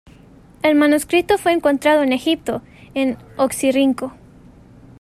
El manuscrito fue encontrado en Egipto, en Oxirrinco.